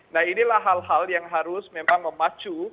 nah inilah hal hal yang harus memang memacu